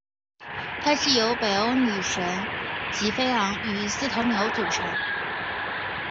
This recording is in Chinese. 它是由北欧女神吉菲昂与四头牛所组成。